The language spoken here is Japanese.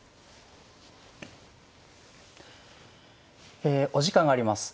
えお時間があります。